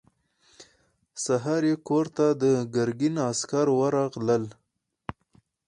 سهار يې کور ته د ګرګين عسکر ورغلل.